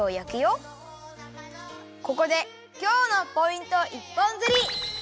ここで今日のポイント一本釣り！